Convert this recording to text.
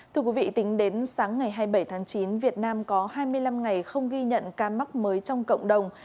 tính đến sáng ngày hai mươi bảy tháng chín việt nam có hai mươi năm ngày không ghi nhận ca mắc mới trong cộng đồng